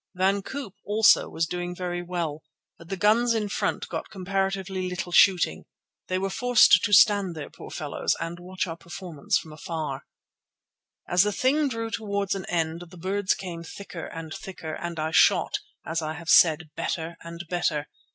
Van Koop also was doing very well, but the guns in front got comparatively little shooting. They were forced to stand there, poor fellows, and watch our performance from afar. As the thing drew towards an end the birds came thicker and thicker, and I shot, as I have said, better and better.